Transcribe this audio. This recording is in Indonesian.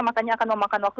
makanya akan memakan waktu